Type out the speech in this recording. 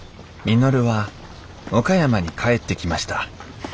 稔は岡山に帰ってきました。